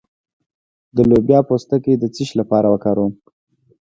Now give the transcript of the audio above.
د لوبیا پوستکی د څه لپاره وکاروم؟